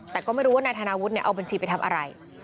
แต่ก็ไม่รู้แกของนายธนาวุฒินังเอาบรรชีไปทำอะไร